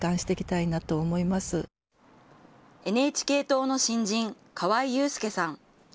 ＮＨＫ党の新人、河合悠祐さん。